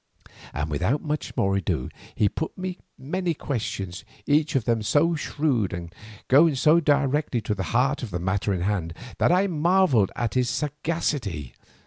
And without more ado he put me many questions, each of them so shrewd and going so directly to the heart of the matter in hand, that I marvelled at his sagacity.